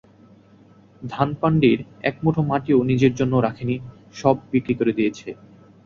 ধানপান্ডির এক মুঠো মাটিও নিজের জন্য রাখেনি সব বিক্রি করে দিয়েছে।